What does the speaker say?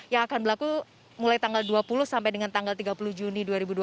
yang akan berlaku mulai tanggal dua puluh sampai dengan tanggal tiga puluh juni dua ribu dua puluh